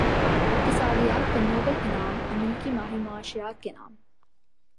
اقتصادیات کا نوبل انعام امریکی ماہر معاشیات کے نام